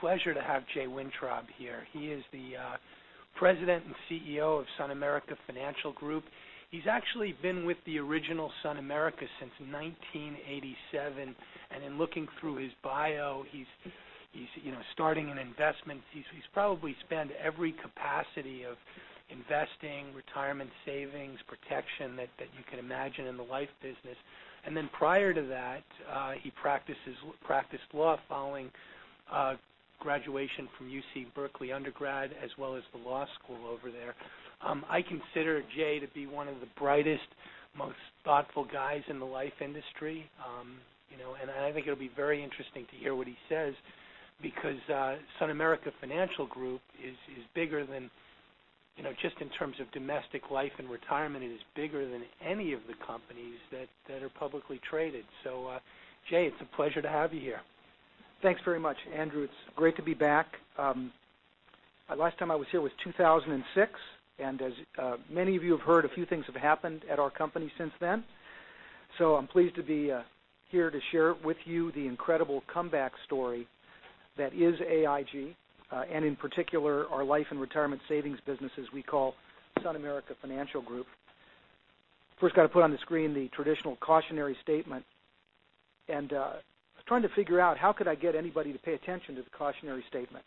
It's a pleasure to have Jay Wintrob here. He is the President and CEO of SunAmerica Financial Group. He's actually been with the original SunAmerica since 1987. In looking through his bio, he's starting an investment. He's probably spent every capacity of investing, retirement savings, protection that you can imagine in the life business. Then prior to that, he practiced law following graduation from UC Berkeley undergrad as well as the law school over there. I consider Jay to be one of the brightest, most thoughtful guys in the life industry. I think it'll be very interesting to hear what he says because SunAmerica Financial Group, just in terms of domestic life and retirement, is bigger than any of the companies that are publicly traded. Jay, it's a pleasure to have you here. Thanks very much, Andrew. It's great to be back. Last time I was here was 2006, as many of you have heard, a few things have happened at our company since then. I'm pleased to be here to share with you the incredible comeback story that is AIG, and in particular, our life and retirement savings businesses we call SunAmerica Financial Group. First, got to put on the screen the traditional cautionary statement. I was trying to figure out how could I get anybody to pay attention to the cautionary statement.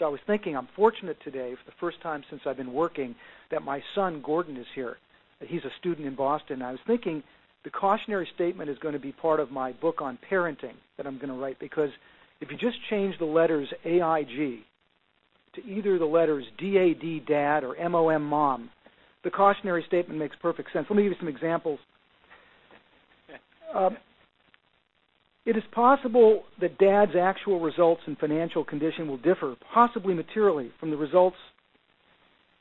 I was thinking, I'm fortunate today, for the first time since I've been working, that my son Gordon is here. He's a student in Boston. I was thinking the cautionary statement is going to be part of my book on parenting that I'm going to write because if you just change the letters AIG to either the letters D-A-D, dad, or M-O-M, mom, the cautionary statement makes perfect sense. Let me give you some examples. It is possible that dad's actual results and financial condition will differ, possibly materially, from the results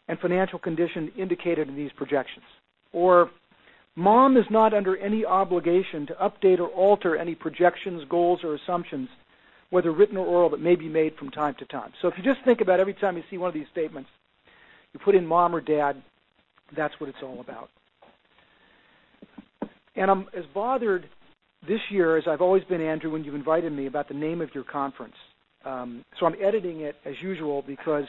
and financial condition indicated in these projections. Mom is not under any obligation to update or alter any projections, goals, or assumptions, whether written or oral, that may be made from time to time. If you just think about every time you see one of these statements, you put in mom or dad, that's what it's all about. I'm as bothered this year as I've always been, Andrew, when you've invited me about the name of your conference. I'm editing it as usual because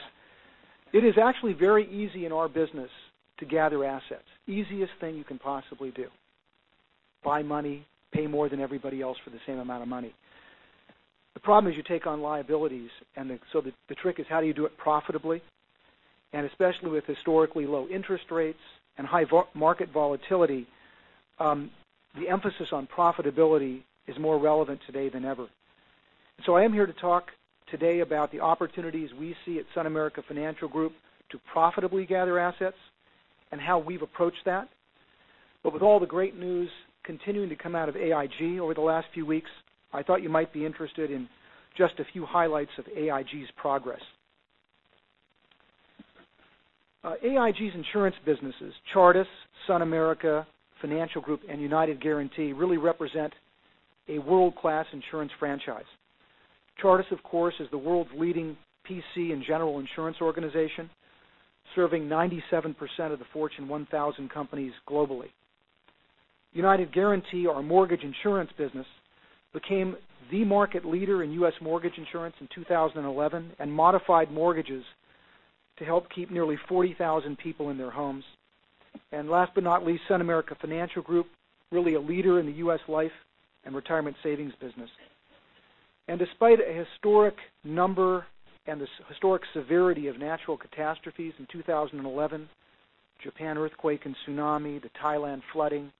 it is actually very easy in our business to gather assets. Easiest thing you can possibly do. Buy money, pay more than everybody else for the same amount of money. The problem is you take on liabilities, the trick is how do you do it profitably? Especially with historically low interest rates and high market volatility, the emphasis on profitability is more relevant today than ever. I am here to talk today about the opportunities we see at SunAmerica Financial Group to profitably gather assets and how we've approached that. With all the great news continuing to come out of AIG over the last few weeks, I thought you might be interested in just a few highlights of AIG's progress. AIG's insurance businesses, Chartis, SunAmerica Financial Group, and United Guaranty, really represent a world-class insurance franchise. Chartis, of course, is the world's leading P&C and general insurance organization, serving 97% of the Fortune 1000 companies globally. United Guaranty, our mortgage insurance business, became the market leader in U.S. mortgage insurance in 2011 and modified mortgages to help keep nearly 40,000 people in their homes. Last but not least, SunAmerica Financial Group, really a leader in the U.S. life and retirement savings business. Despite a historic number and the historic severity of natural catastrophes in 2011, Japan earthquake and tsunami, the Thailand flooding,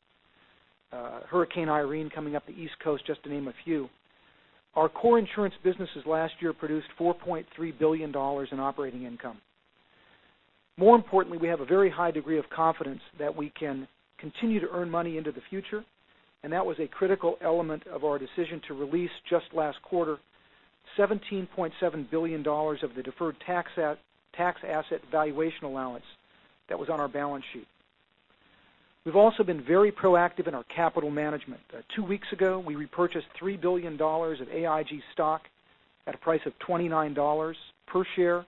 Hurricane Irene coming up the East Coast, just to name a few, our core insurance businesses last year produced $4.3 billion in operating income. More importantly, we have a very high degree of confidence that we can continue to earn money into the future, and that was a critical element of our decision to release just last quarter, $17.7 billion of the deferred tax asset valuation allowance that was on our balance sheet. We've also been very proactive in our capital management. Two weeks ago, we repurchased $3 billion of AIG stock at a price of $29 per share.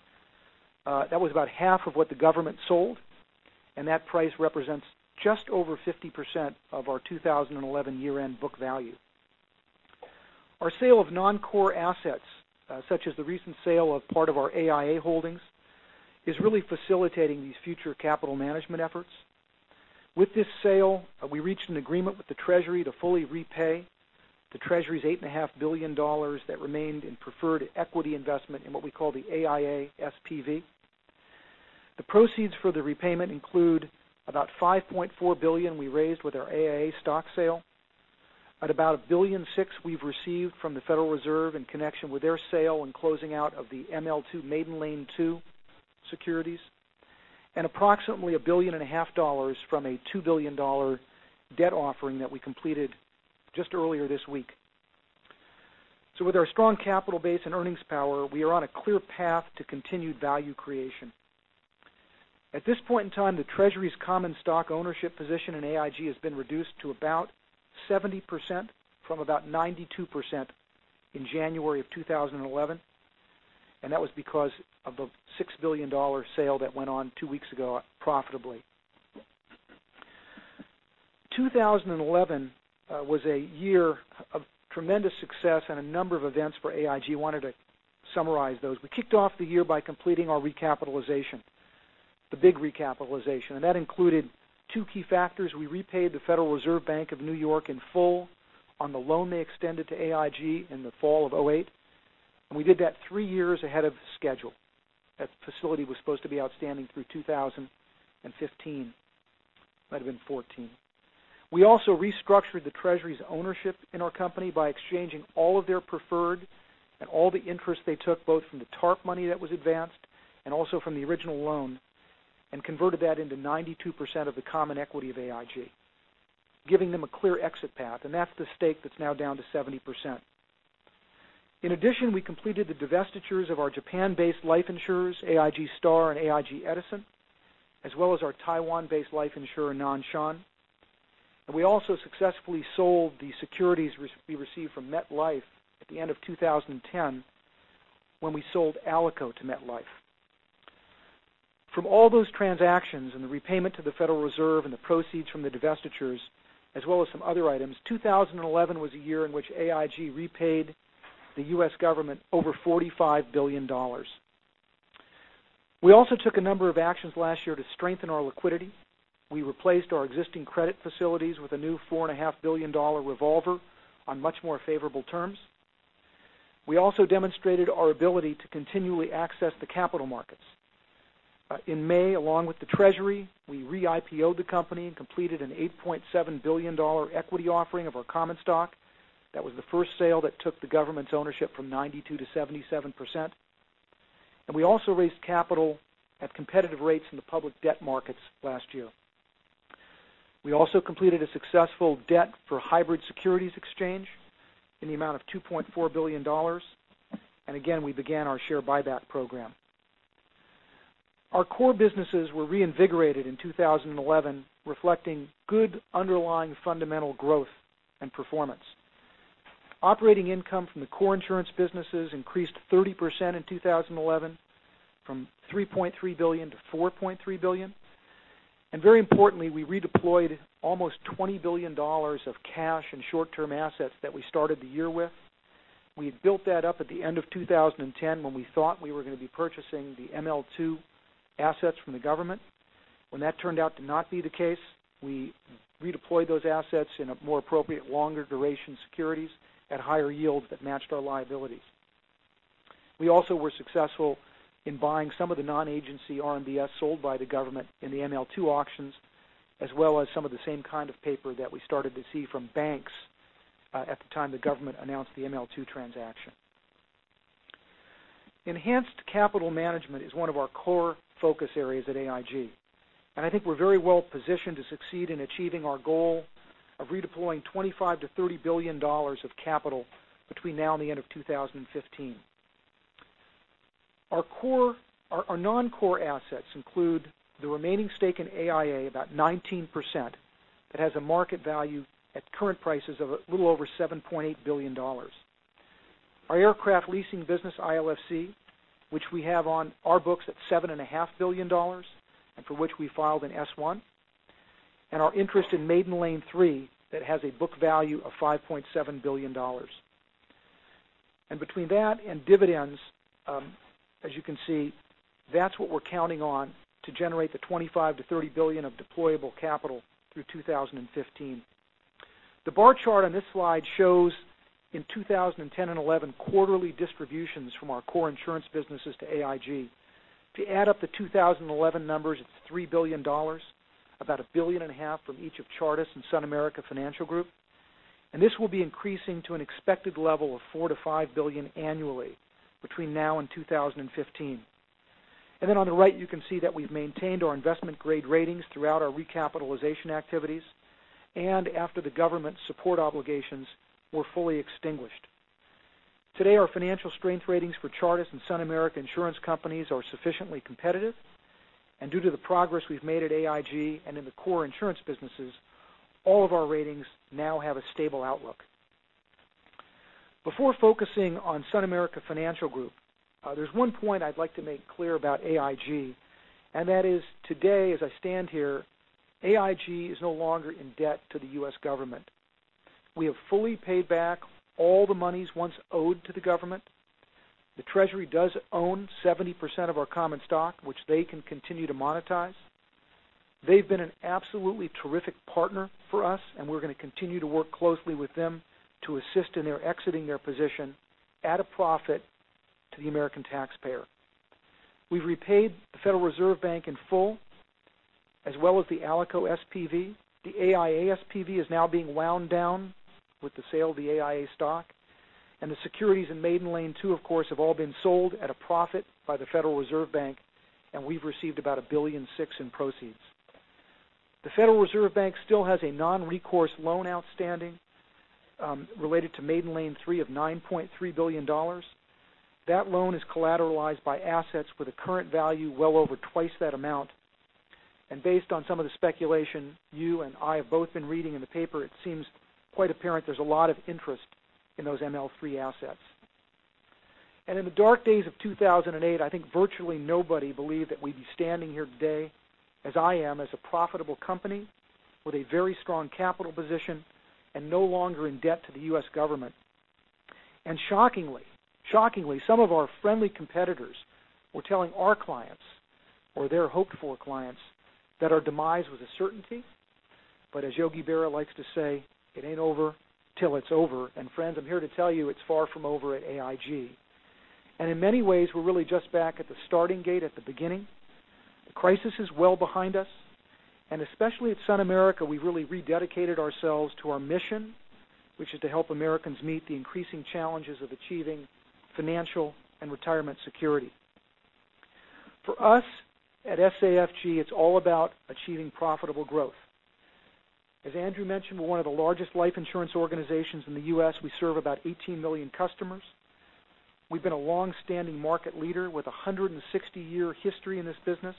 That was about half of what the government sold, and that price represents just over 50% of our 2011 year-end book value. Our sale of non-core assets, such as the recent sale of part of our AIA holdings, is really facilitating these future capital management efforts. With this sale, we reached an agreement with the Treasury to fully repay the Treasury's $8.5 billion that remained in preferred equity investment in what we call the AIA SPV. The proceeds for the repayment include about $5.4 billion we raised with our AIA stock sale, at about $1.6 billion we've received from the Federal Reserve in connection with their sale and closing out of the ML2, Maiden Lane II, securities, and approximately $1.5 billion from a $2 billion debt offering that we completed just earlier this week. With our strong capital base and earnings power, we are on a clear path to continued value creation. At this point in time, the Treasury's common stock ownership position in AIG has been reduced to about 70% from about 92% in January of 2011, and that was because of the $6 billion sale that went on two weeks ago profitably. 2011 was a year of tremendous success and a number of events for AIG. I wanted to summarize those. We kicked off the year by completing our recapitalization, the big recapitalization, and that included two key factors. We repaid the Federal Reserve Bank of New York in full on the loan they extended to AIG in the fall of 2008, and we did that three years ahead of schedule. That facility was supposed to be outstanding through 2015. Might have been 2014. We also restructured the Treasury's ownership in our company by exchanging all of their preferred and all the interest they took, both from the TARP money that was advanced and also from the original loan, and converted that into 92% of the common equity of AIG, giving them a clear exit path. That's the stake that's now down to 70%. In addition, we completed the divestitures of our Japan-based life insurers, AIG Star and AIG Edison, as well as our Taiwan-based life insurer, Nan Shan. We also successfully sold the securities we received from MetLife at the end of 2010 when we sold Alico to MetLife. From all those transactions and the repayment to the Federal Reserve and the proceeds from the divestitures, as well as some other items, 2011 was a year in which AIG repaid the U.S. government over $45 billion. We also took a number of actions last year to strengthen our liquidity. We replaced our existing credit facilities with a new $4.5 billion revolver on much more favorable terms. We also demonstrated our ability to continually access the capital markets. In May, along with the Treasury, we re-IPO'd the company and completed an $8.7 billion equity offering of our common stock. That was the first sale that took the government's ownership from 92% to 77%. We also raised capital at competitive rates in the public debt markets last year. We also completed a successful debt for hybrid securities exchange in the amount of $2.4 billion. Again, we began our share buyback program. Our core businesses were reinvigorated in 2011, reflecting good underlying fundamental growth and performance. Operating income from the core insurance businesses increased 30% in 2011 from $3.3 billion-$4.3 billion. Very importantly, we redeployed almost $20 billion of cash and short-term assets that we started the year with. We had built that up at the end of 2010 when we thought we were going to be purchasing the ML2 assets from the government. When that turned out to not be the case, we redeployed those assets in a more appropriate longer duration securities at higher yields that matched our liabilities. We also were successful in buying some of the non-agency RMBS sold by the government in the ML2 auctions, as well as some of the same kind of paper that we started to see from banks at the time the government announced the ML2 transaction. Enhanced capital management is one of our core focus areas at AIG, and I think we're very well positioned to succeed in achieving our goal of redeploying $25 billion-$30 billion of capital between now and the end of 2015. Our non-core assets include the remaining stake in AIA, about 19%, that has a market value at current prices of a little over $7.8 billion. Our aircraft leasing business, ILFC, which we have on our books at $7.5 billion and for which we filed an S-1, and our interest in Maiden Lane III that has a book value of $5.7 billion. Between that and dividends, as you can see, that's what we're counting on to generate the $25 billion-$30 billion of deployable capital through 2015. The bar chart on this slide shows in 2010 and 2011, quarterly distributions from our core insurance businesses to AIG. If you add up the 2011 numbers, it's $3 billion, about a billion and a half from each of Chartis and SunAmerica Financial Group. This will be increasing to an expected level of $4 billion-$5 billion annually between now and 2015. On the right, you can see that we've maintained our investment-grade ratings throughout our recapitalization activities and after the government support obligations were fully extinguished. Today, our financial strength ratings for Chartis and SunAmerica insurance companies are sufficiently competitive. Due to the progress we've made at AIG and in the core insurance businesses, all of our ratings now have a stable outlook. Before focusing on SunAmerica Financial Group, there's one point I'd like to make clear about AIG, and that is today, as I stand here, AIG is no longer in debt to the U.S. government. We have fully paid back all the monies once owed to the government. The Treasury does own 70% of our common stock, which they can continue to monetize. They've been an absolutely terrific partner for us, and we're going to continue to work closely with them to assist in their exiting their position at a profit to the American taxpayer. We've repaid the Federal Reserve Bank in full, as well as the Alico SPV. The AIA SPV is now being wound down with the sale of the AIA stock. The securities in Maiden Lane II, of course, have all been sold at a profit by the Federal Reserve Bank, and we've received about $1.6 billion in proceeds. The Federal Reserve Bank still has a non-recourse loan outstanding related to Maiden Lane III of $9.3 billion. That loan is collateralized by assets with a current value well over twice that amount. Based on some of the speculation you and I have both been reading in the paper, it seems quite apparent there's a lot of interest in those ML3 assets. In the dark days of 2008, I think virtually nobody believed that we'd be standing here today as I am, as a profitable company with a very strong capital position and no longer in debt to the U.S. government. Shockingly, some of our friendly competitors were telling our clients, or their hoped-for clients, that our demise was a certainty. As Yogi Berra likes to say, "It ain't over till it's over." Friends, I'm here to tell you it's far from over at AIG. In many ways, we're really just back at the starting gate at the beginning. The crisis is well behind us, and especially at SunAmerica, we've really rededicated ourselves to our mission, which is to help Americans meet the increasing challenges of achieving financial and retirement security. For us at SAFG, it's all about achieving profitable growth. As Andrew mentioned, we're one of the largest life insurance organizations in the U.S. We serve about 18 million customers. We've been a longstanding market leader with a 160-year history in this business.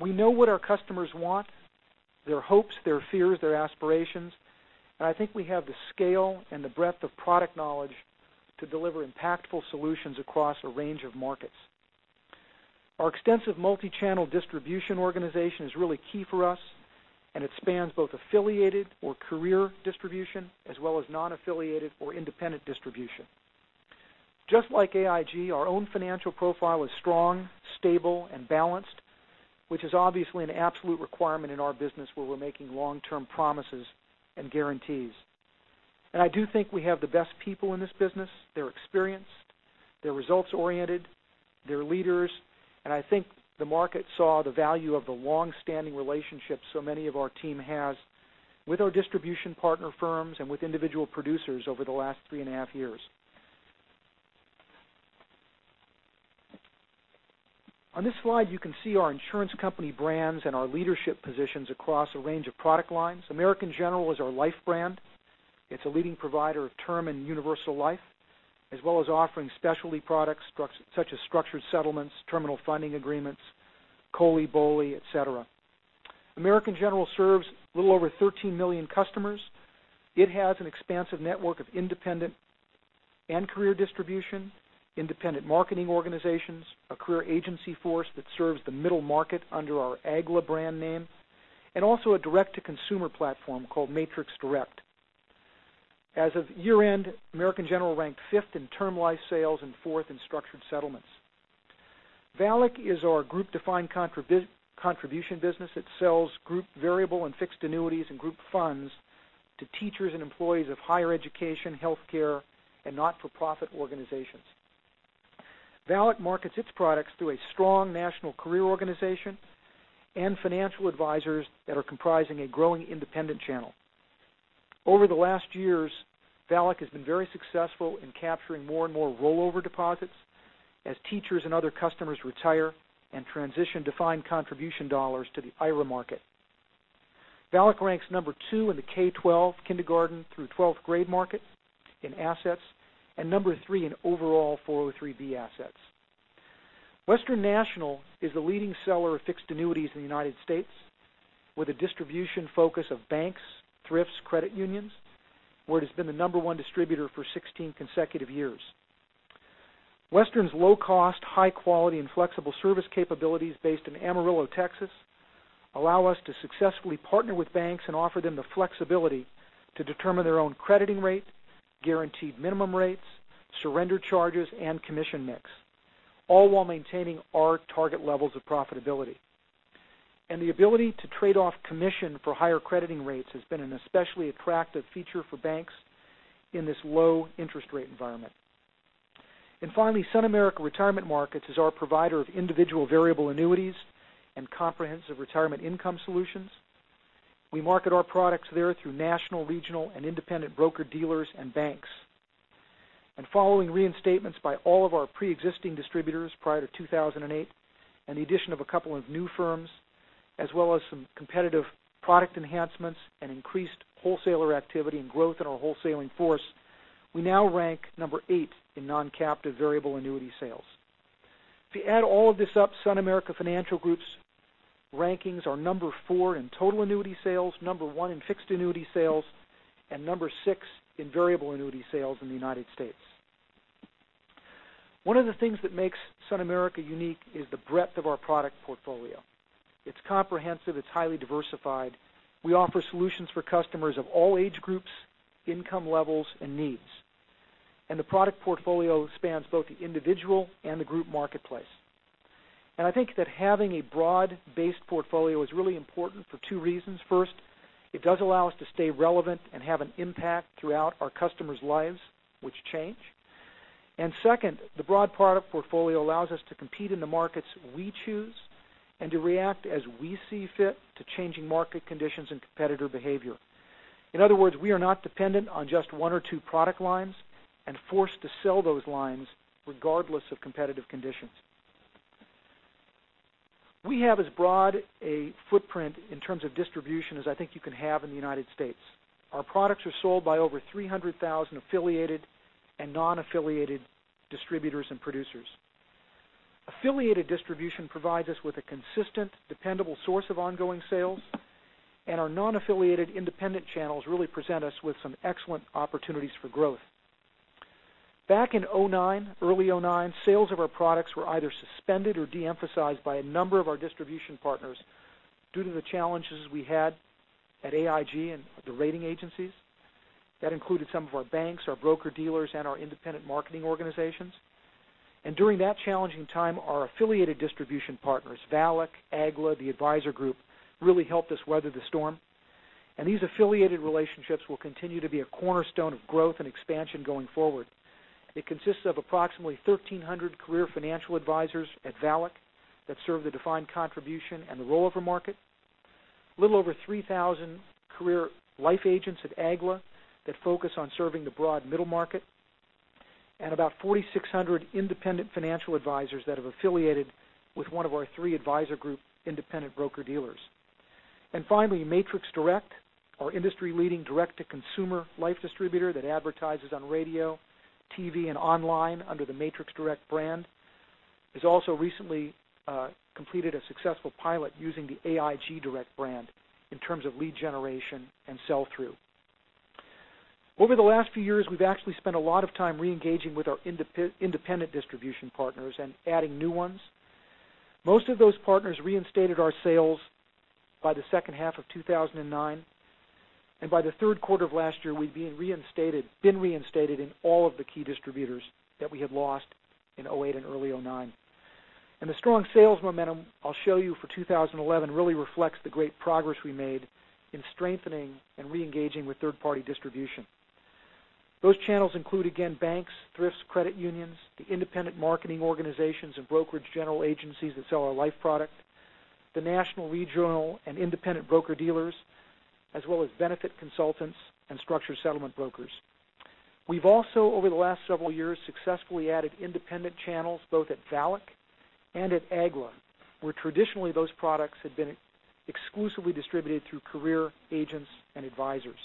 We know what our customers want, their hopes, their fears, their aspirations, and I think we have the scale and the breadth of product knowledge to deliver impactful solutions across a range of markets. Our extensive multi-channel distribution organization is really key for us, and it spans both affiliated or career distribution as well as non-affiliated or independent distribution. Just like AIG, our own financial profile is strong, stable, and balanced, which is obviously an absolute requirement in our business where we're making long-term promises and guarantees. I do think we have the best people in this business. They are experienced, they are results oriented, they are leaders, and I think the market saw the value of the longstanding relationships so many of our team has with our distribution partner firms and with individual producers over the last three and a half years. On this slide, you can see our insurance company brands and our leadership positions across a range of product lines. American General is our life brand. It is a leading provider of term and universal life, as well as offering specialty products such as structured settlements, terminal funding agreements, COLI, BOLI, et cetera. American General serves a little over 13 million customers. It has an expansive network of independent and career distribution, independent marketing organizations, a career agency force that serves the middle market under our AGLA brand name, and also a direct-to-consumer platform called Matrix Direct. As of year-end, American General ranked fifth in term life sales and fourth in structured settlements. VALIC is our group defined contribution business. It sells group variable and fixed annuities and group funds to teachers and employees of higher education, healthcare, and not-for-profit organizations. VALIC markets its products through a strong national career organization and financial advisors that are comprising a growing independent channel. Over the last years, VALIC has been very successful in capturing more and more rollover deposits as teachers and other customers retire and transition defined contribution dollars to the IRA market. VALIC ranks number 2 in the K12, kindergarten through 12th grade market in assets, and number 3 in overall 403 assets. Western National is the leading seller of fixed annuities in the U.S. with a distribution focus of banks, thrifts, credit unions, where it has been the number 1 distributor for 16 consecutive years. Western's low cost, high quality, and flexible service capabilities based in Amarillo, Texas, allow us to successfully partner with banks and offer them the flexibility to determine their own crediting rate, guaranteed minimum rates, surrender charges, and commission mix, all while maintaining our target levels of profitability. The ability to trade off commission for higher crediting rates has been an especially attractive feature for banks in this low interest rate environment. Finally, SunAmerica Retirement Markets is our provider of individual variable annuities and comprehensive retirement income solutions. We market our products there through national, regional, and independent broker dealers and banks. Following reinstatements by all of our preexisting distributors prior to 2008 and the addition of a couple of new firms, as well as some competitive product enhancements and increased wholesaler activity and growth in our wholesaling force, we now rank number 8 in non-captive variable annuity sales. If you add all of this up, SunAmerica Financial Group's rankings are number 4 in total annuity sales, number 1 in fixed annuity sales, and number 6 in variable annuity sales in the U.S. One of the things that makes SunAmerica unique is the breadth of our product portfolio. It is comprehensive. It is highly diversified. We offer solutions for customers of all age groups, income levels, and needs. The product portfolio spans both the individual and the group marketplace. I think that having a broad-based portfolio is really important for two reasons. First, it does allow us to stay relevant and have an impact throughout our customers' lives, which change. Second, the broad product portfolio allows us to compete in the markets we choose and to react as we see fit to changing market conditions and competitor behavior. In other words, we are not dependent on just one or two product lines and forced to sell those lines regardless of competitive conditions. We have as broad a footprint in terms of distribution as I think you can have in the U.S. Our products are sold by over 300,000 affiliated and non-affiliated distributors and producers. Affiliated distribution provides us with a consistent, dependable source of ongoing sales, and our non-affiliated independent channels really present us with some excellent opportunities for growth. Back in 2009, early 2009, sales of our products were either suspended or de-emphasized by a number of our distribution partners due to the challenges we had at AIG and the rating agencies. That included some of our banks, our broker-dealers, and our independent marketing organizations. During that challenging time, our affiliated distribution partners, VALIC, AGLA, the Advisor Group, really helped us weather the storm, and these affiliated relationships will continue to be a cornerstone of growth and expansion going forward. It consists of approximately 1,300 career financial advisors at VALIC that serve the defined contribution and the rollover market. A little over 3,000 career life agents at AGLA that focus on serving the broad middle market, and about 4,600 independent financial advisors that have affiliated with one of our 3 Advisor Group independent broker-dealers. Finally, Matrix Direct, our industry-leading direct-to-consumer life distributor that advertises on radio, TV, and online under the Matrix Direct brand, has also recently completed a successful pilot using the AIG Direct brand in terms of lead generation and sell-through. Over the last few years, we've actually spent a lot of time re-engaging with our independent distribution partners and adding new ones. Most of those partners reinstated our sales by the second half of 2009, and by the third quarter of last year, we'd been reinstated in all of the key distributors that we had lost in 2008 and early 2009. The strong sales momentum I'll show you for 2011 really reflects the great progress we made in strengthening and re-engaging with third-party distribution. Those channels include, again, banks, thrifts, credit unions, the independent marketing organizations and brokerage general agencies that sell our life product, the national, regional, and independent broker-dealers, as well as benefit consultants and structured settlement brokers. We've also, over the last several years, successfully added independent channels both at VALIC and at AGLA, where traditionally those products had been exclusively distributed through career agents and advisors.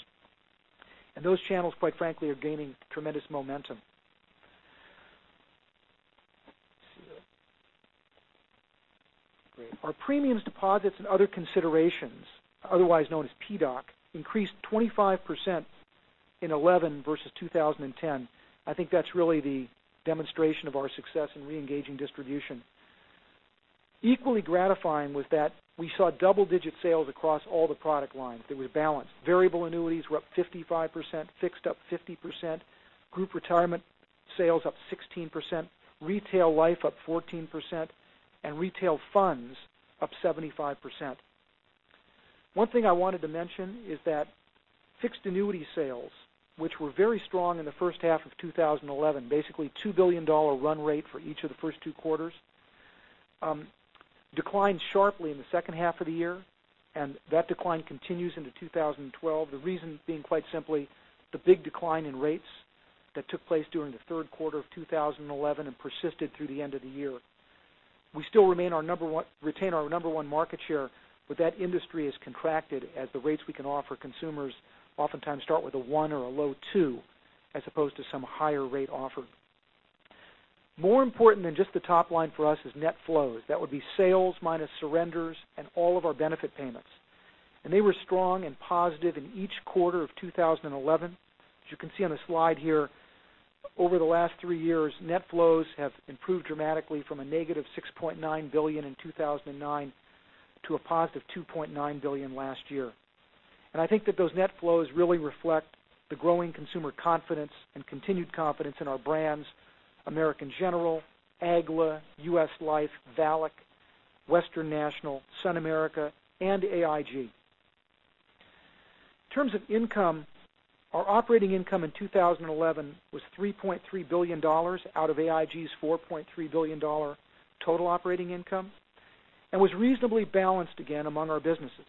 Those channels, quite frankly, are gaining tremendous momentum. Let's see. Great. Our premiums, deposits, and other considerations, otherwise known as PDOC, increased 25% in 2011 versus 2010. I think that's really the demonstration of our success in re-engaging distribution. Equally gratifying was that we saw double-digit sales across all the product lines. They were balanced. Variable annuities were up 55%, fixed up 50%, group retirement sales up 16%, retail life up 14%, and retail funds up 75%. One thing I wanted to mention is that fixed annuity sales, which were very strong in the first half of 2011, basically a $2 billion run rate for each of the first two quarters, declined sharply in the second half of the year, that decline continues into 2012. The reason being quite simply the big decline in rates that took place during the third quarter of 2011 and persisted through the end of the year. We still retain our number one market share, but that industry has contracted as the rates we can offer consumers oftentimes start with a one or a low two, as opposed to some higher rate offered. More important than just the top line for us is net flows. That would be sales minus surrenders and all of our benefit payments. They were strong and positive in each quarter of 2011. As you can see on the slide here, over the last three years, net flows have improved dramatically from a negative $6.9 billion in 2009 to a positive $2.9 billion last year. I think that those net flows really reflect the growing consumer confidence and continued confidence in our brands, American General, AGLA, U.S. Life, VALIC, Western National, SunAmerica, and AIG. In terms of income, our operating income in 2011 was $3.3 billion out of AIG's $4.3 billion total operating income and was reasonably balanced again among our businesses.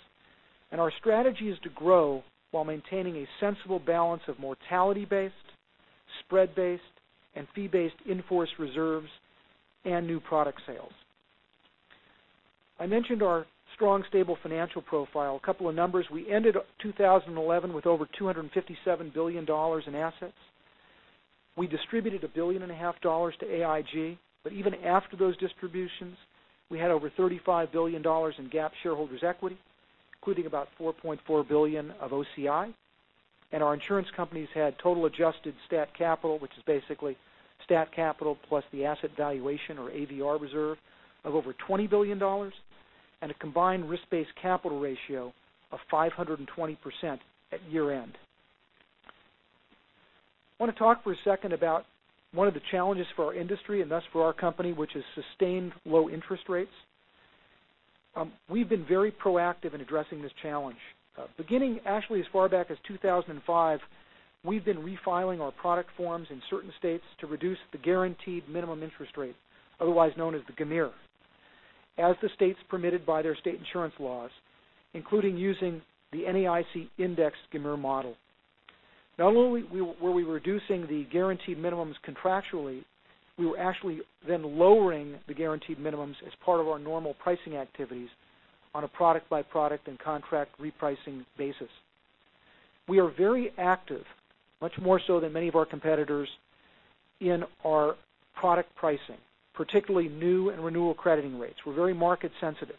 Our strategy is to grow while maintaining a sensible balance of mortality-based, spread-based, and fee-based in-force reserves and new product sales. I mentioned our strong, stable financial profile. A couple of numbers. We ended 2011 with over $257 billion in assets. We distributed a billion and a half dollars to AIG, but even after those distributions, we had over $35 billion in GAAP shareholders' equity, including about $4.4 billion of OCI. Our insurance companies had total adjusted stat capital, which is basically stat capital plus the asset valuation or AVR reserve of over $20 billion and a combined risk-based capital ratio of 520% at year-end. I want to talk for a second about one of the challenges for our industry and thus for our company, which is sustained low interest rates. We've been very proactive in addressing this challenge. Beginning actually as far back as 2005, we've been refiling our product forms in certain states to reduce the guaranteed minimum interest rate, otherwise known as the GMIR, as the states permitted by their state insurance laws, including using the NAIC Index GMIR model. Not only were we reducing the guaranteed minimums contractually, we were actually then lowering the guaranteed minimums as part of our normal pricing activities on a product-by-product and contract repricing basis. We are very active, much more so than many of our competitors, in our product pricing, particularly new and renewal crediting rates. We're very market sensitive.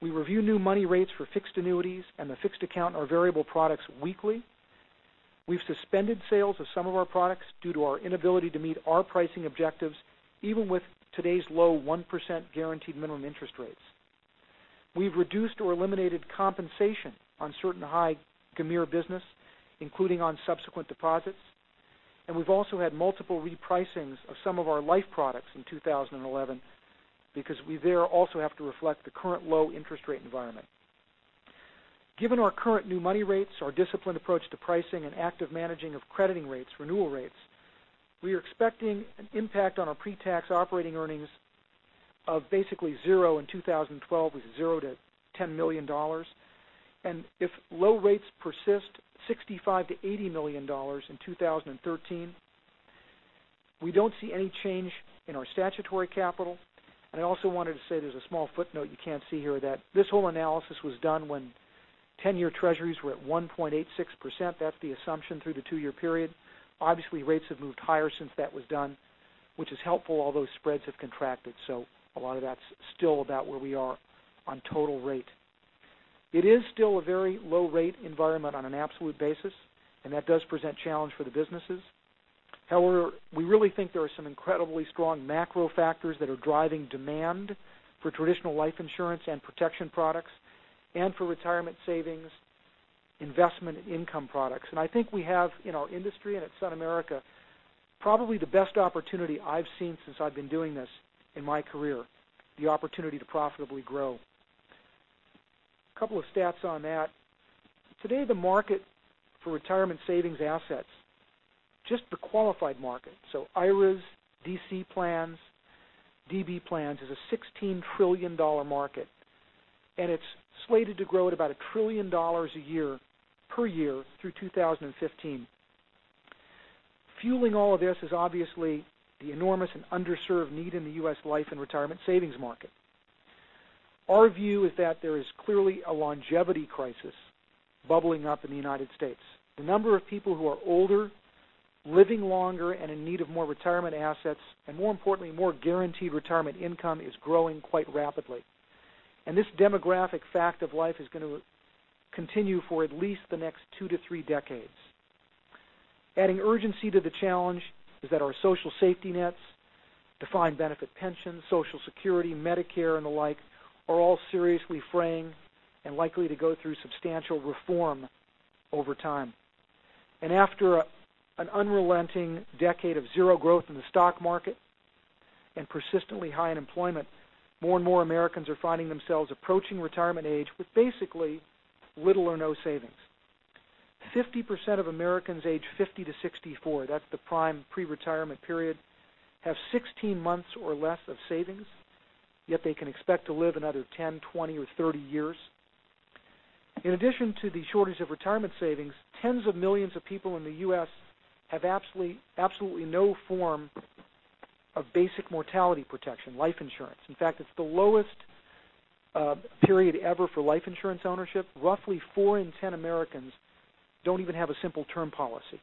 We review new money rates for fixed annuities and the fixed account or variable products weekly. We've suspended sales of some of our products due to our inability to meet our pricing objectives, even with today's low 1% guaranteed minimum interest rates. We've reduced or eliminated compensation on certain high GMIR business, including on subsequent deposits, and we've also had multiple repricings of some of our life products in 2011 because we there also have to reflect the current low interest rate environment. Given our current new money rates, our disciplined approach to pricing, and active managing of crediting rates, renewal rates, we are expecting an impact on our pre-tax operating earnings of basically 0 in 2012 with 0 to $10 million. If low rates persist, $65 million-$80 million in 2013. We don't see any change in our statutory capital. I also wanted to say there's a small footnote you can't see here that this whole analysis was done when 10-year treasuries were at 1.86%. That's the assumption through the 2-year period. Obviously, rates have moved higher since that was done, which is helpful, although spreads have contracted. A lot of that's still about where we are on total rate. It is still a very low rate environment on an absolute basis, and that does present challenge for the businesses. We really think there are some incredibly strong macro factors that are driving demand for traditional life insurance and protection products, and for retirement savings investment income products. I think we have in our industry, and at SunAmerica, probably the best opportunity I've seen since I've been doing this in my career, the opportunity to profitably grow. A couple of stats on that. Today, the market for retirement savings assets, just the qualified market, so IRAs, DC plans, DB plans, is a $16 trillion market, and it's slated to grow at about $1 trillion a year, per year through 2015. Fueling all of this is obviously the enormous and underserved need in the U.S. life and retirement savings market. Our view is that there is clearly a longevity crisis bubbling up in the United States. The number of people who are older, living longer, and in need of more retirement assets, and more importantly, more guaranteed retirement income, is growing quite rapidly. This demographic fact of life is going to continue for at least the next 2 to 3 decades. Adding urgency to the challenge is that our social safety nets, defined benefit pensions, Social Security, Medicare, and the like are all seriously fraying and likely to go through substantial reform over time. After an unrelenting decade of 0 growth in the stock market and persistently high unemployment, more and more Americans are finding themselves approaching retirement age with basically little or no savings. 50% of Americans aged 50-64, that's the prime pre-retirement period, have 16 months or less of savings, yet they can expect to live another 10, 20, or 30 years. In addition to the shortage of retirement savings, tens of millions of people in the U.S. have absolutely no form of basic mortality protection, life insurance. In fact, it's the lowest period ever for life insurance ownership. Roughly 4 in 10 Americans don't even have a simple term policy.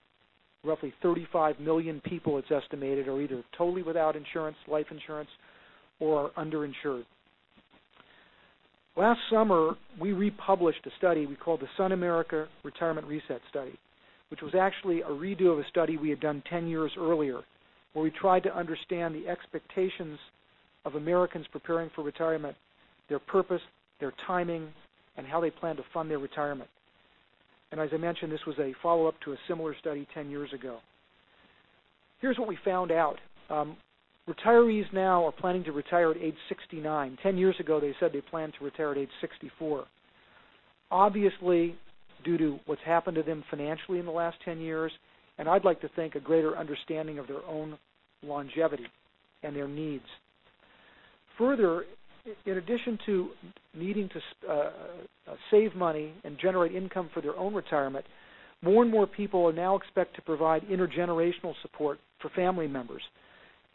Roughly 35 million people, it's estimated, are either totally without insurance, life insurance, or are underinsured. Last summer, we republished a study we called the SunAmerica Retirement Reset Study, which was actually a redo of a study we had done 10 years earlier, where we tried to understand the expectations of Americans preparing for retirement, their purpose, their timing, and how they plan to fund their retirement. As I mentioned, this was a follow-up to a similar study 10 years ago. Here's what we found out. Retirees now are planning to retire at age 69. 10 years ago, they said they planned to retire at age 64. Obviously, due to what's happened to them financially in the last 10 years, and I'd like to think a greater understanding of their own longevity and their needs. Further, in addition to needing to save money and generate income for their own retirement, more and more people now expect to provide intergenerational support for family members.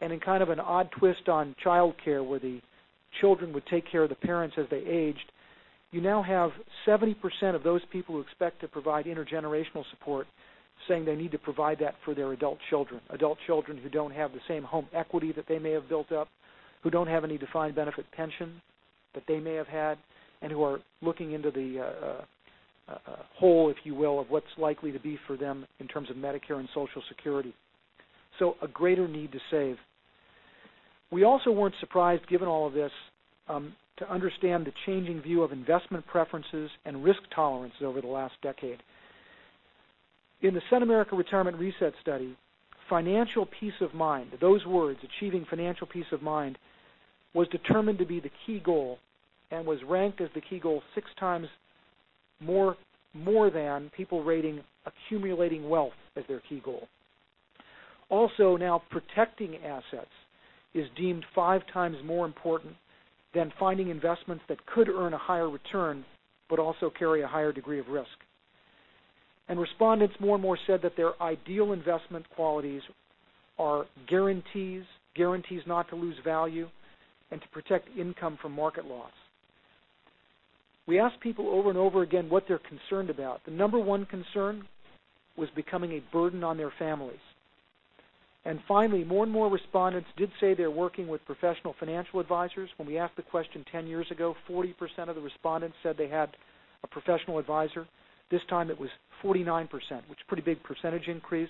In kind of an odd twist on childcare, where the children would take care of the parents as they aged, you now have 70% of those people who expect to provide intergenerational support saying they need to provide that for their adult children, adult children who don't have the same home equity that they may have built up, who don't have any defined benefit pension that they may have had, and who are looking into the hole, if you will, of what's likely to be for them in terms of Medicare and Social Security. A greater need to save. We also weren't surprised, given all of this, to understand the changing view of investment preferences and risk tolerance over the last decade. In the SunAmerica Retirement Reset Study, financial peace of mind, those words, achieving financial peace of mind, was determined to be the key goal and was ranked as the key goal six times more than people rating accumulating wealth as their key goal. Also now protecting assets is deemed five times more important than finding investments that could earn a higher return but also carry a higher degree of risk. Respondents more and more said that their ideal investment qualities were guarantees not to lose value and to protect income from market loss. We ask people over and over again what they're concerned about. The number one concern was becoming a burden on their families. Finally, more and more respondents did say they're working with professional financial advisors. When we asked the question 10 years ago, 40% of the respondents said they had a professional advisor. This time it was 49%, which is a pretty big percentage increase.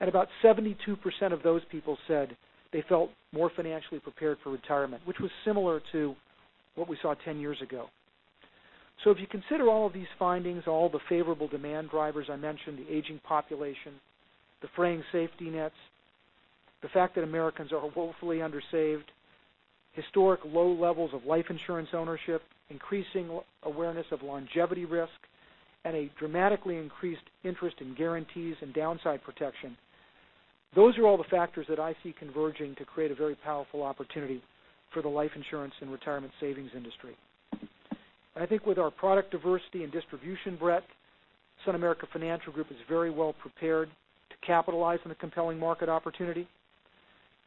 About 72% of those people said they felt more financially prepared for retirement, which was similar to what we saw 10 years ago. If you consider all of these findings, all the favorable demand drivers I mentioned, the aging population, the fraying safety nets, the fact that Americans are woefully under-saved, historic low levels of life insurance ownership, increasing awareness of longevity risk, and a dramatically increased interest in guarantees and downside protection. Those are all the factors that I see converging to create a very powerful opportunity for the life insurance and retirement savings industry. I think with our product diversity and distribution breadth, SunAmerica Financial Group is very well prepared to capitalize on the compelling market opportunity.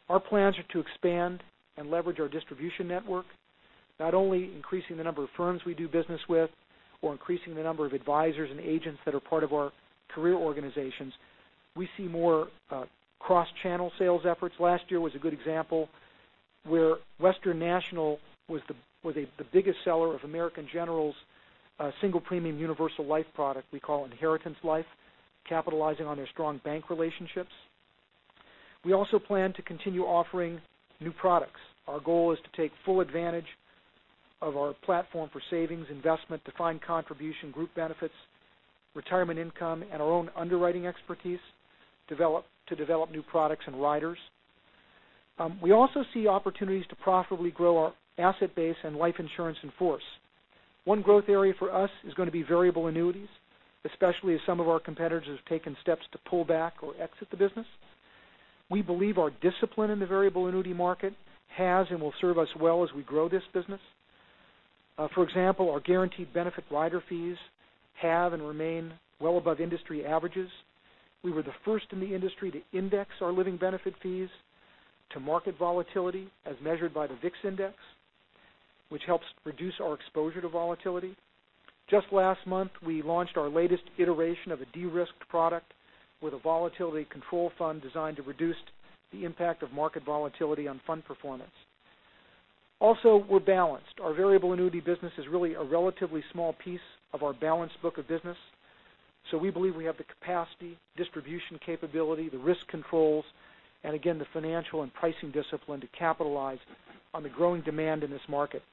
Our plans are to expand and leverage our distribution network, not only increasing the number of firms we do business with or increasing the number of advisors and agents that are part of our career organizations. We see more cross-channel sales efforts. Last year was a good example where Western National was the biggest seller of American General's single premium universal life product we call Inheritance Life, capitalizing on their strong bank relationships. We also plan to continue offering new products. Our goal is to take full advantage of our platform for savings, investment, defined contribution, group benefits, retirement income, and our own underwriting expertise to develop new products and riders. We also see opportunities to profitably grow our asset base and life insurance in force. One growth area for us is going to be variable annuities, especially as some of our competitors have taken steps to pull back or exit the business. We believe our discipline in the variable annuity market has and will serve us well as we grow this business. For example, our guaranteed benefit rider fees have and remain well above industry averages. We were the first in the industry to index our living benefit fees to market volatility as measured by the VIX index, which helps reduce our exposure to volatility. Just last month, we launched our latest iteration of a de-risked product with a volatility control fund designed to reduce the impact of market volatility on fund performance. We're balanced. Our variable annuity business is really a relatively small piece of our balanced book of business. We believe we have the capacity, distribution capability, the risk controls, and again, the financial and pricing discipline to capitalize on the growing demand in this market.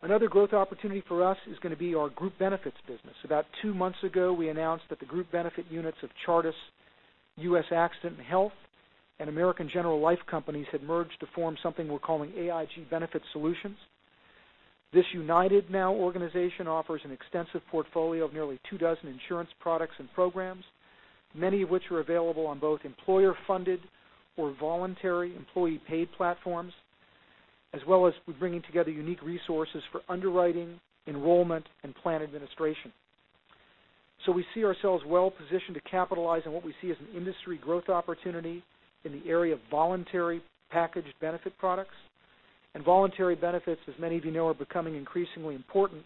Another growth opportunity for us is going to be our group benefits business. About two months ago, we announced that the group benefit units of Chartis US Accident and Health, and American General Life companies had merged to form something we're calling AIG Benefit Solutions. This united now organization offers an extensive portfolio of nearly two dozen insurance products and programs, many of which are available on both employer-funded or voluntary employee paid platforms, as well as bringing together unique resources for underwriting, enrollment, and plan administration. We see ourselves well positioned to capitalize on what we see as an industry growth opportunity in the area of voluntary packaged benefit products. Voluntary benefits, as many of you know, are becoming increasingly important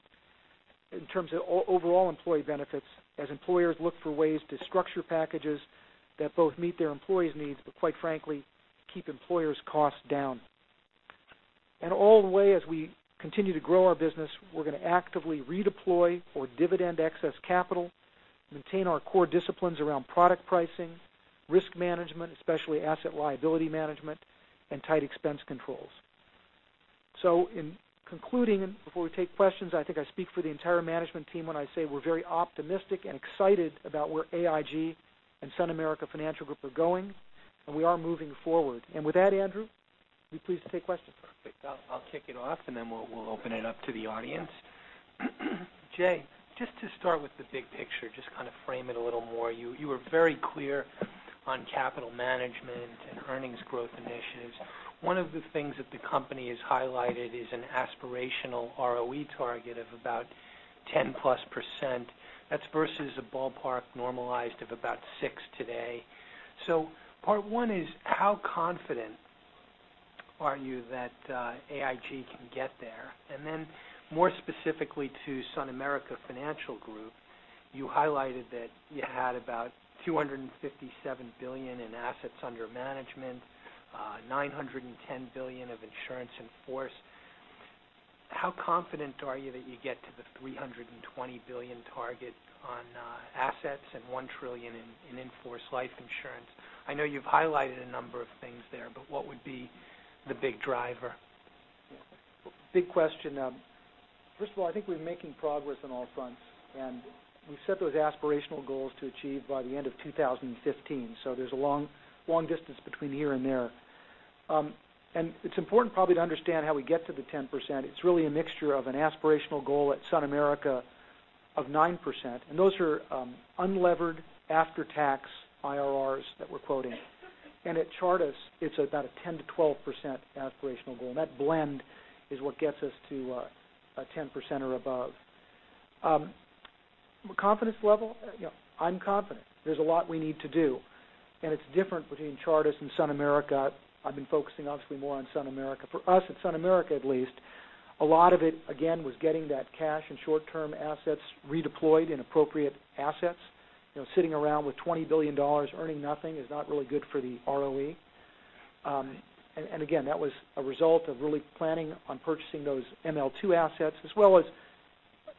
in terms of overall employee benefits as employers look for ways to structure packages that both meet their employees' needs, but quite frankly, keep employers' costs down. All the way as we continue to grow our business, we're going to actively redeploy or dividend excess capital, maintain our core disciplines around product pricing, risk management, especially asset liability management, and tight expense controls. In concluding, before we take questions, I think I speak for the entire management team when I say we're very optimistic and excited about where AIG and SunAmerica Financial Group are going, and we are moving forward. With that, Andrew, be pleased to take questions. Perfect. I'll kick it off and then we'll open it up to the audience. Jay, just to start with the big picture, just kind of frame it a little more. You were very clear on capital management and earnings growth initiatives. One of the things that the company has highlighted is an aspirational ROE target of about 10+%. That's versus a ballpark normalized of about 6% today. Part one is how confident are you that AIG can get there? And then more specifically to SunAmerica Financial Group, you highlighted that you had about $257 billion in assets under management, $910 billion of insurance in-force. How confident are you that you get to the $320 billion target on assets and $1 trillion in in-force life insurance? I know you've highlighted a number of things there, but what would be the big driver? Big question. First of all, I think we're making progress on all fronts, and we set those aspirational goals to achieve by the end of 2015. There's a long distance between here and there. It's important probably to understand how we get to the 10%. It's really a mixture of an aspirational goal at SunAmerica of 9%, and those are unlevered after-tax IRRs that we're quoting. At Chartis, it's about a 10%-12% aspirational goal. That blend is what gets us to a 10% or above. Confidence level? I'm confident. There's a lot we need to do, and it's different between Chartis and SunAmerica. I've been focusing obviously more on SunAmerica. For us at SunAmerica at least, a lot of it, again, was getting that cash and short-term assets redeployed in appropriate assets. Sitting around with $20 billion earning nothing is not really good for the ROE. Again, that was a result of really planning on purchasing those ML2 assets as well as,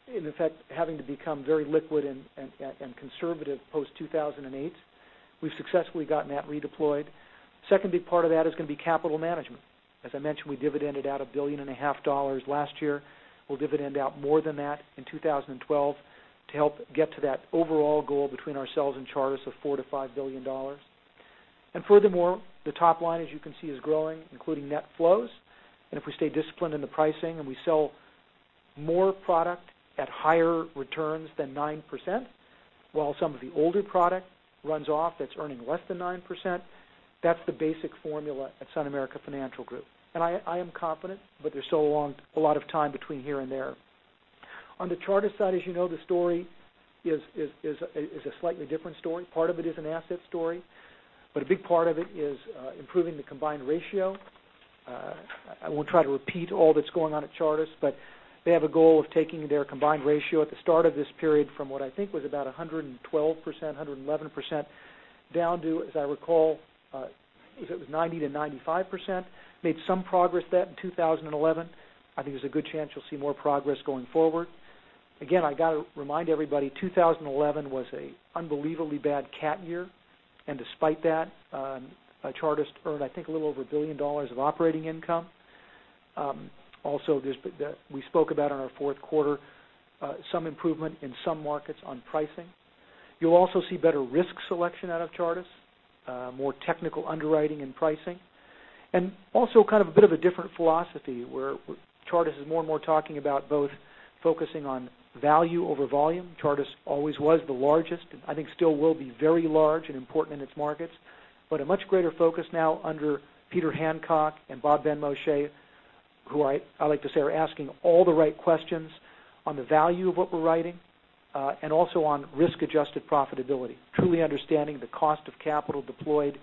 in effect, having to become very liquid and conservative post-2008. We've successfully gotten that redeployed. Second big part of that is going to be capital management. As I mentioned, we dividended out a billion and a half dollars last year. We'll dividend out more than that in 2012 to help get to that overall goal between ourselves and Chartis of $4 billion-$5 billion. Furthermore, the top line, as you can see, is growing, including net flows. If we stay disciplined in the pricing and we sell more product at higher returns than 9%, while some of the older product runs off that's earning less than 9%, that's the basic formula at SunAmerica Financial Group. I am confident, but there's still a lot of time between here and there. On the Chartis side, as you know, the story is a slightly different story. Part of it is an asset story, but a big part of it is improving the combined ratio. I won't try to repeat all that's going on at Chartis, but they have a goal of taking their combined ratio at the start of this period from what I think was about 112%, 111% down to, as I recall, it was 90%-95%. Made some progress at that in 2011. I think there's a good chance you'll see more progress going forward. Again, I got to remind everybody, 2011 was an unbelievably bad cat year, and despite that, Chartis earned, I think, a little over $1 billion of operating income. We spoke about in our fourth quarter, some improvement in some markets on pricing. You'll also see better risk selection out of Chartis, more technical underwriting and pricing. Also kind of a bit of a different philosophy where Chartis is more and more talking about both focusing on value over volume. Chartis always was the largest, I think still will be very large and important in its markets, but a much greater focus now under Peter Hancock and Bob Benmosche, who I like to say are asking all the right questions on the value of what we're writing, and also on risk-adjusted profitability. Truly understanding the cost of capital deployed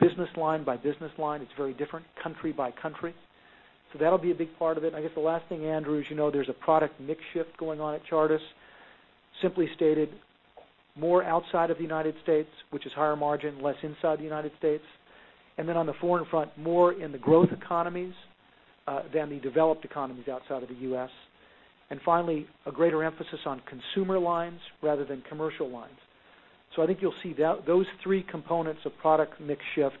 business line by business line, it's very different country by country. That'll be a big part of it. I guess the last thing, Andrew, as you know, there's a product mix shift going on at Chartis. Simply stated, more outside of the United States, which is higher margin, less inside the United States. Then on the foreign front, more in the growth economies than the developed economies outside of the U.S. Finally, a greater emphasis on consumer lines rather than commercial lines. I think you'll see that those three components of product mix shift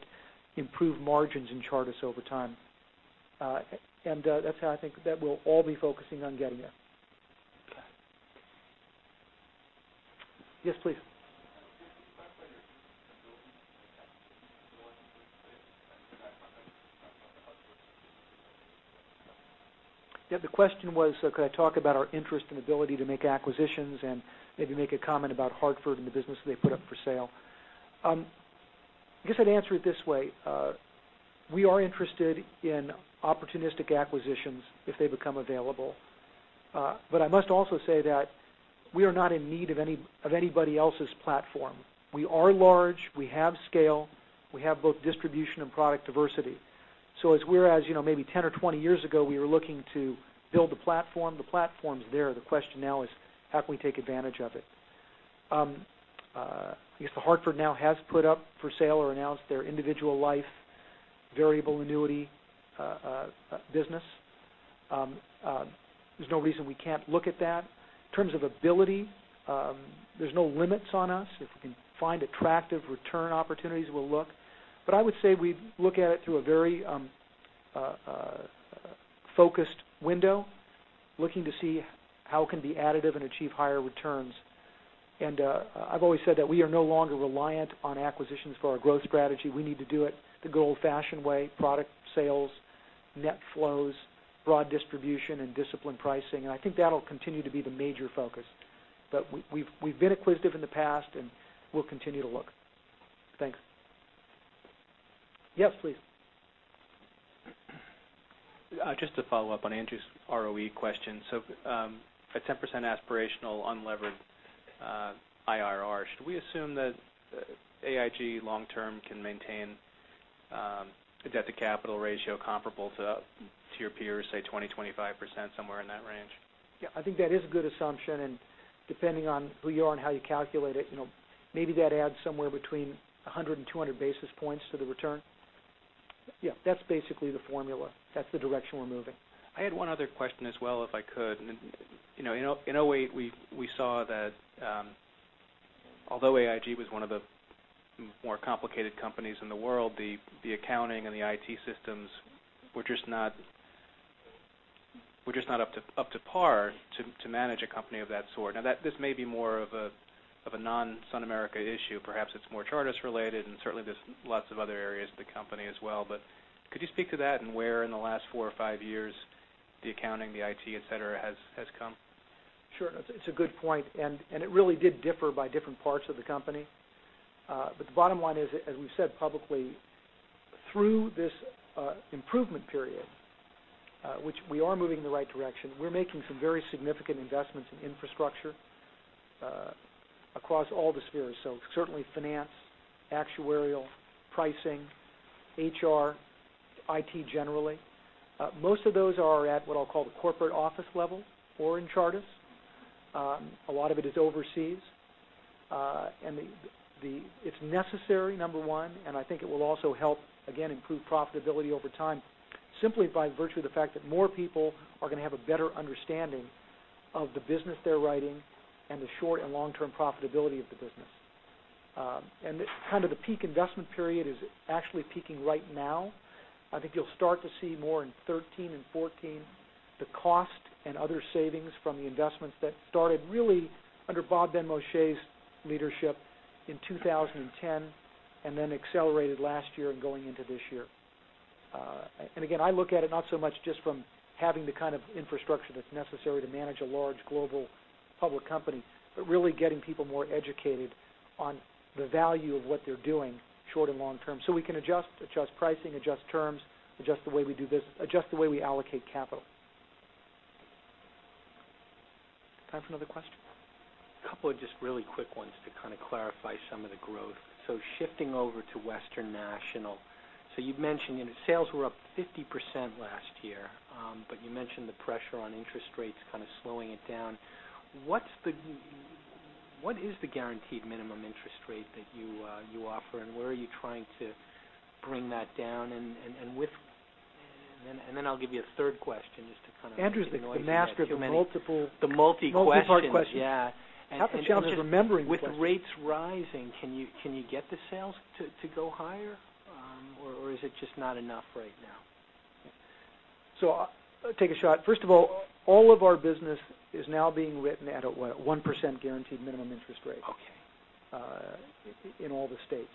improve margins in Chartis over time. That's how I think that we'll all be focusing on getting there. Yes, please. Can you talk about your ability to make acquisitions going forward today and then talk about The Hartford and the business that they put up for sale? The question was, could I talk about our interest and ability to make acquisitions and maybe make a comment about Hartford and the business they put up for sale. I guess I'd answer it this way. We are interested in opportunistic acquisitions if they become available. I must also say that we are not in need of anybody else's platform. We are large. We have scale. We have both distribution and product diversity. As whereas, maybe 10 or 20 years ago, we were looking to build the platform, the platform's there. The question now is, how can we take advantage of it? I guess The Hartford now has put up for sale or announced their individual life variable annuity business. There's no reason we can't look at that. In terms of ability, there's no limits on us. If we can find attractive return opportunities, we'll look. I would say we'd look at it through a very focused window, looking to see how it can be additive and achieve higher returns. I've always said that we are no longer reliant on acquisitions for our growth strategy. We need to do it the old-fashioned way, product sales, net flows, broad distribution, and disciplined pricing. I think that'll continue to be the major focus. We've been acquisitive in the past, and we'll continue to look. Thanks. Yes, please. Just to follow up on Andrew's ROE question. A 10% aspirational unlevered IRR, should we assume that AIG long term can maintain a debt to capital ratio comparable to your peers, say 20%, 25%, somewhere in that range? I think that is a good assumption, depending on who you are and how you calculate it, maybe that adds somewhere between 100 and 200 basis points to the return. That's basically the formula. That's the direction we're moving. I had one other question as well, if I could. In 2008, we saw that although AIG was one of the more complicated companies in the world, the accounting and the IT systems were just not up to par to manage a company of that sort. Now, this may be more of a non-SunAmerica issue. Perhaps it's more Chartis related, certainly there's lots of other areas of the company as well. Could you speak to that and where in the last four or five years the accounting, the IT, et cetera, has come? Sure. It's a good point. It really did differ by different parts of the company. The bottom line is, as we've said publicly, through this improvement period. We are moving in the right direction. We're making some very significant investments in infrastructure across all the spheres. Certainly finance, actuarial, pricing, HR, IT generally. Most of those are at what I'll call the corporate office level or in Chartis. A lot of it is overseas. It's necessary, number one. I think it will also help, again, improve profitability over time, simply by virtue of the fact that more people are going to have a better understanding of the business they're writing and the short and long-term profitability of the business. Kind of the peak investment period is actually peaking right now. I think you'll start to see more in 2013 and 2014, the cost and other savings from the investments that started really under Bob Benmosche's leadership in 2010, and then accelerated last year and going into this year. Again, I look at it not so much just from having the kind of infrastructure that's necessary to manage a large global public company, but really getting people more educated on the value of what they're doing short and long term, so we can adjust pricing, adjust terms, adjust the way we do business, adjust the way we allocate capital. Time for another question? A couple of just really quick ones to kind of clarify some of the growth. Shifting over to Western National. You've mentioned sales were up 50% last year, but you mentioned the pressure on interest rates kind of slowing it down. What is the Guaranteed Minimum Interest Rate that you offer, and where are you trying to bring that down? I'll give you a third question just to kind of- Andrew's the master of the multiple- The multi questions. multiple part questions. Yeah. Have the challenge of remembering the questions. With rates rising, can you get the sales to go higher, or is it just not enough right now? I'll take a shot. First of all of our business is now being written at a 1% guaranteed minimum interest rate. Okay. In all the states.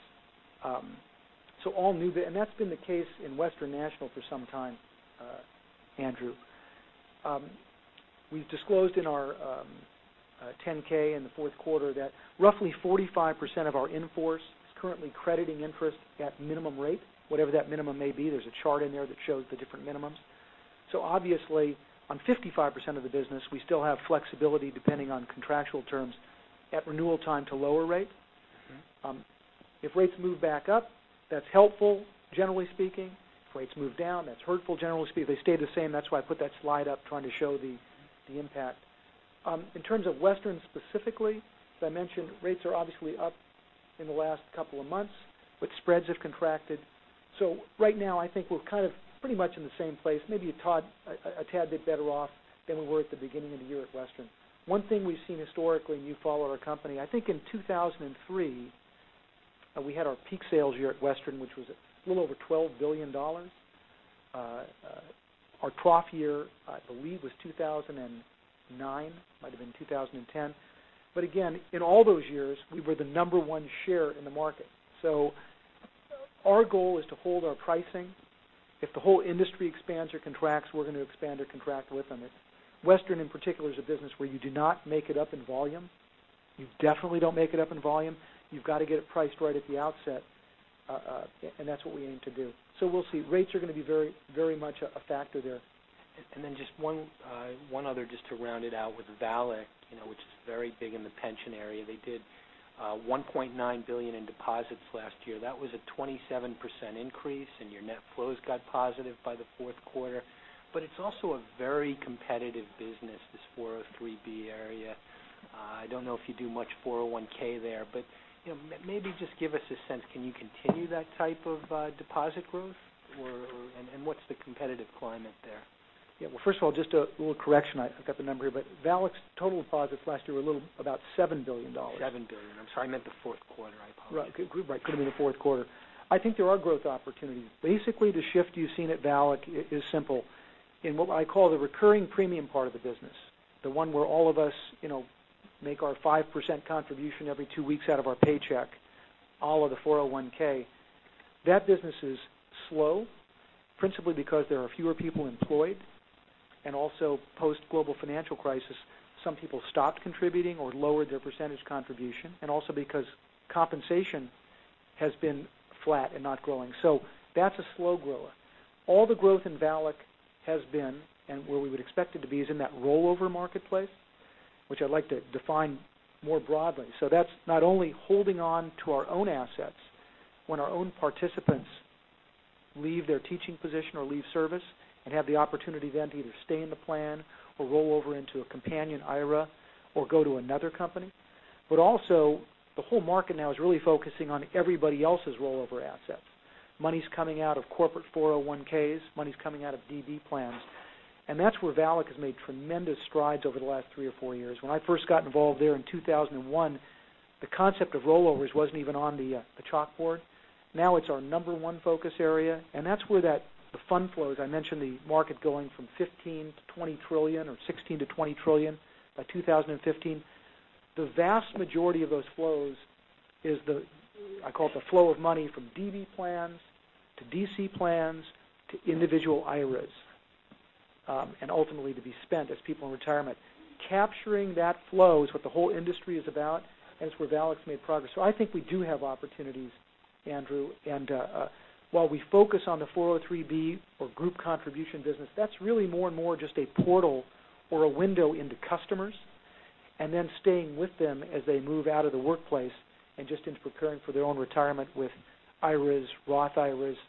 All new, and that's been the case in Western National for some time, Andrew. We've disclosed in our 10-K in the fourth quarter that roughly 45% of our in-force is currently crediting interest at minimum rate, whatever that minimum may be. There's a chart in there that shows the different minimums. Obviously, on 55% of the business, we still have flexibility, depending on contractual terms, at renewal time to lower rate. If rates move back up, that's helpful, generally speaking. If rates move down, that's hurtful, generally speaking. If they stay the same, that's why I put that slide up trying to show the impact. In terms of Western specifically, as I mentioned, rates are obviously up in the last couple of months, but spreads have contracted. Right now, I think we're kind of pretty much in the same place, maybe a tad bit better off than we were at the beginning of the year at Western. One thing we've seen historically, and you follow our company, I think in 2003, we had our peak sales year at Western, which was a little over $12 billion. Our trough year, I believe, was 2009. Might've been 2010. Again, in all those years, we were the number one sharer in the market. Our goal is to hold our pricing. If the whole industry expands or contracts, we're going to expand or contract with them. Western in particular is a business where you do not make it up in volume. You definitely don't make it up in volume. You've got to get it priced right at the outset, and that's what we aim to do. We'll see. Rates are going to be very much a factor there. Just one other just to round it out with VALIC, which is very big in the pension area. They did $1.9 billion in deposits last year. That was a 27% increase, and your net flows got positive by the fourth quarter. It's also a very competitive business, this 403 area. I don't know if you do much 401 there, but maybe just give us a sense, can you continue that type of deposit growth, and what's the competitive climate there? First of all, just a little correction. I've got the number here, but VALIC's total deposits last year were a little about $7 billion. $7 billion. I'm sorry, I meant the fourth quarter. I apologize. Right. Could've been the fourth quarter. I think there are growth opportunities. Basically, the shift you've seen at VALIC is simple. In what I call the recurring premium part of the business, the one where all of us make our 5% contribution every two weeks out of our paycheck, all of the 401, that business is slow, principally because there are fewer people employed, and also post-global financial crisis, some people stopped contributing or lowered their percentage contribution, and also because compensation has been flat and not growing. That's a slow grower. All the growth in VALIC has been, and where we would expect it to be, is in that rollover marketplace, which I'd like to define more broadly. That's not only holding on to our own assets when our own participants leave their teaching position or leave service and have the opportunity then to either stay in the plan or roll over into a companion IRA or go to another company. Also, the whole market now is really focusing on everybody else's rollover assets. Money's coming out of corporate 401s, money's coming out of DB plans, and that's where VALIC has made tremendous strides over the last three or four years. When I first got involved there in 2001, the concept of rollovers wasn't even on the chalkboard. Now it's our number one focus area, and that's where the fund flows, I mentioned the market going from $15 trillion-$20 trillion or $16 trillion-$20 trillion by 2015. The vast majority of those flows is the, I call it the flow of money from DB plans to DC plans to individual IRAs, and ultimately to be spent as people in retirement. Capturing that flow is what the whole industry is about, and it's where VALIC's made progress. I think we do have opportunities, Andrew. While we focus on the 403 or group contribution business, that's really more and more just a portal or a window into customers, and then staying with them as they move out of the workplace and just into preparing for their own retirement with IRAs, Roth IRAs.